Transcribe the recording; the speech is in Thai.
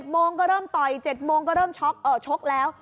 โมงก็เริ่มต่อย๗โมงก็เริ่มช็อกชกแล้ว